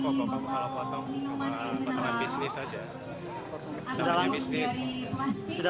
pokok pokok kalau potong cuma pertenan bisnis saja